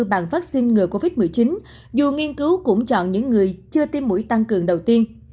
bằng vaccine ngừa covid một mươi chín dù nghiên cứu cũng chọn những người chưa tiêm mũi tăng cường đầu tiên